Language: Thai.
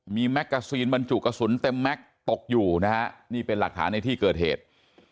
มีแมกกาซีนบรรจุกระสุนเต็มแม็กซ์ตกอยู่นะฮะนี่เป็นหลักฐานในที่เกิดเหตุ